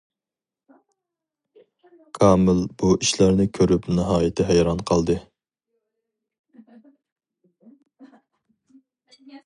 كامىل بۇ ئىشلارنى كۆرۈپ ناھايىتى ھەيران قالدى.